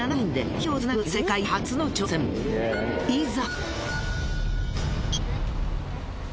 いざ！